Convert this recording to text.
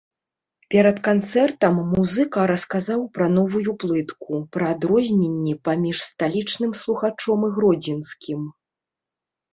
Перад канцэртам музыка расказаў пра новую плытку, пра адрозненні паміж сталічным слухачом і гродзенскім.